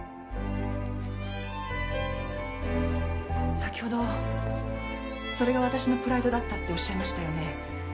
先ほど「それがわたしのプライドだった」っておっしゃいましたよね。